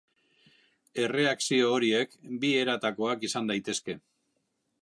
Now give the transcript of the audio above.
Erreakzio horiek bi eratakoak izan daitezke.